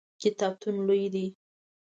کتابتون لوی دی؟